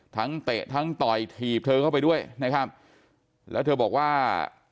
เตะทั้งต่อยถีบเธอเข้าไปด้วยนะครับแล้วเธอบอกว่า